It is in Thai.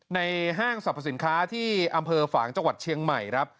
ห้างสรรพสินค้าที่อำเภอฝางจังหวัดเชียงใหม่ครับ